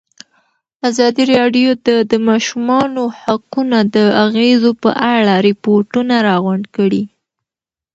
ازادي راډیو د د ماشومانو حقونه د اغېزو په اړه ریپوټونه راغونډ کړي.